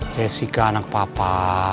jessica anak papa